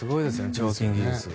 彫金技術。